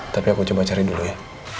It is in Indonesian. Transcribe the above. tapi aku coba cari dulu ya